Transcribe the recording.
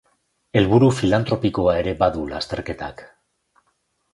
Helburu filantropikoa ere badu lasterketak.